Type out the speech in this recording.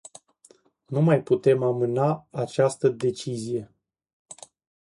Nu mai putem amâna această decizie.